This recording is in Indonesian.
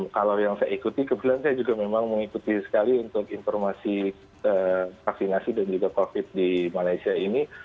kalau yang saya ikuti kebetulan saya juga memang mengikuti sekali untuk informasi vaksinasi dan juga covid di malaysia ini